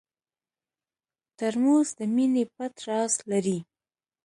ترموز د مینې پټ راز لري.